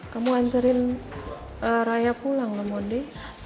kamu anterin raya pulang loh mundi